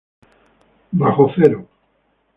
Bajo cero.